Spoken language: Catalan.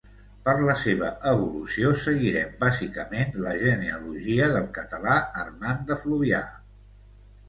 Per la seva evolució seguirem bàsicament la genealogia del català Armand de Fluvià.